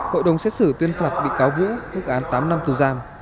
hội đồng xét xử tuyên phạt bị cáo vữa thức án tám năm tù giam